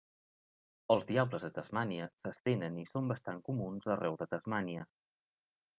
Els diables de Tasmània s'estenen i són bastant comuns arreu de Tasmània.